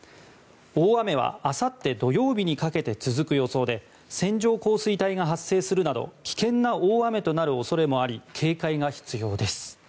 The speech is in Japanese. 大雨はあさって土曜日にかけて続く予想で線状降水帯が発生するなど危険な大雨となる恐れもあり警戒が必要です。